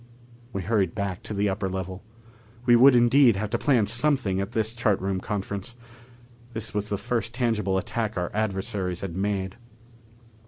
We hurried back to the upper level. We would indeed have to plan something at this chart room conference. This was the first tangible attack our adversaries had made.